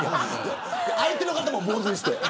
相手の方も坊主にして。